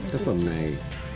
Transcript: tác phẩm này